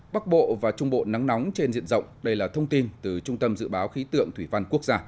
bắc bộ và trung bộ nắng nóng trên diện rộng đây là thông tin từ trung tâm dự báo khí tượng thủy văn quốc gia